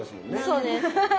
そうです。